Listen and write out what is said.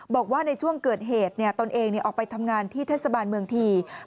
บอกว่าในช่วงเกิดเหตุตนเองออกไปทำงานที่เทศบาลเมืองที